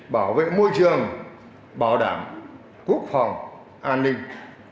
bảo vệ môi trường bảo đảm quốc phòng an ninh